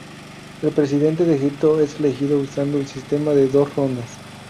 El presidente de Egipto es elegido usando el sistema de dos rondas.